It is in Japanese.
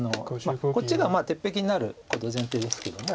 こっちが鉄壁になること前提ですけども。